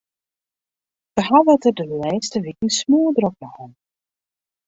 Wy hawwe it der de lêste wiken smoardrok mei hân.